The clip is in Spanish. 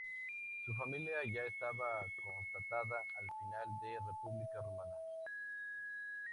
Su familia ya estaba constatada al final de República Romana.